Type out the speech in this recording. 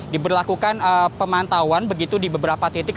diberlakukan pemantauan begitu di beberapa titik